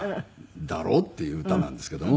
『だろ？』っていう歌なんですけども。